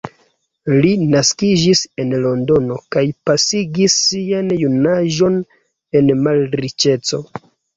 Li naskiĝis en Londono kaj pasigis sian junaĝon en malriĉeco.